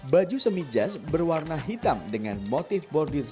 baju semi jazz berwarna hitam dengan motif bordir silber